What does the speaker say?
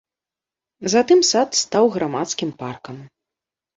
Затым сад стаў грамадскім паркам.